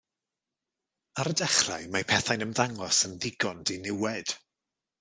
Ar y dechrau, mae pethau'n ymddangos yn ddigon diniwed.